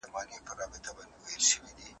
قرآنکريم د مذهبي تشدد غندنه کوي.